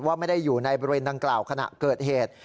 ว่าไม่ได้อยู่ในบริเวณดังกล่าวขณะเกิดเหตุ